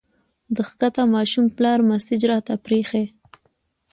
د ښکته ماشوم پلار مسېج راته پرېښی